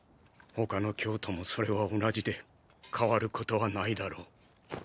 他の教徒もそれは同じで変わることはないだろう。